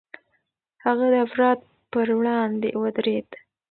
هغه د افراط پر وړاندې ودرېد.